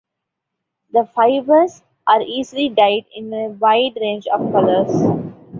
The fibers are easily dyed in a wide range of colors.